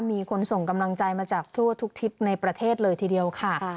มีคนส่งกำลังใจมาจากทั่วทุกทิศในประเทศเลยทีเดียวค่ะ